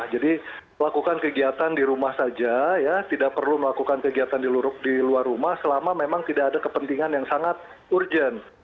jadi lakukan kegiatan di rumah saja ya tidak perlu melakukan kegiatan di luar rumah selama memang tidak ada kepentingan yang sangat urgent